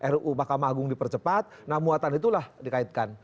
ruu mahkamah agung dipercepat nah muatan itulah dikaitkan